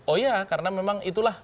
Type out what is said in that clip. oh iya karena memang itulah